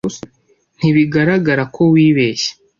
Ntibigaragara ko wibeshye.